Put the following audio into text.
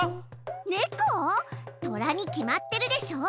トラに決まってるでしょう。